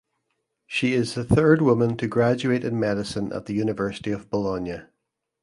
She is the third woman to graduate in medicine at the University of Bologna.